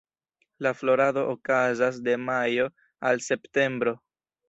La florado okazas de majo al septembro.